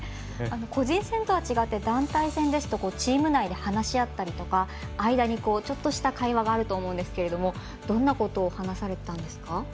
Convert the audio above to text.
個人戦と違って団体戦ですとチーム内で話し合ったりとか間に、ちょっとした会話があると思うんですけどどんなことを話されていたんですか？